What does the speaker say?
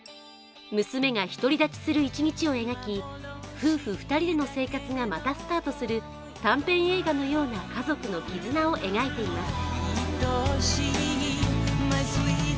娘が独り立ちする一日を描き、夫婦２人での生活がまたスタートする短編映画のような家族の絆を描いています。